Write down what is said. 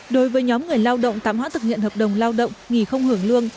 đối với nhóm người lao động tạm hoãn thực hiện hợp đồng lao động nghỉ không hưởng lương